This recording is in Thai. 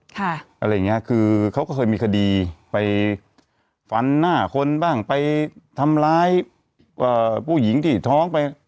อะไรอย่างเงี้ยคือเขาก็เคยมีคดีไปฟันหน้าคนบ้างไปทำร้ายผู้หญิงที่ท้องไป